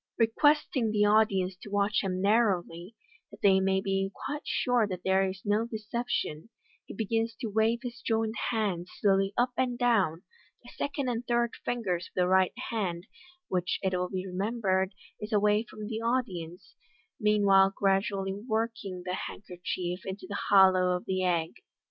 Requesting the audience to watch him narrowly, that they may be quite sure that there is no de ception, he begins to wave his joined hands slowly up and down, the second and third fingers of the right hand (which, it will be remembered, is away from the audience) meanwhile gradually working the hand kerchief into the hollow of the egg.